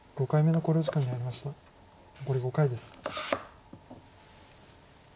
残り５回です。